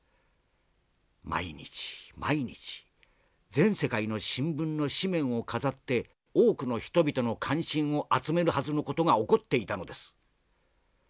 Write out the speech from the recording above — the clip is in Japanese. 毎日毎日全世界の新聞の紙面を飾って多くの人々の関心を集めるはずの事が起こっていたのです。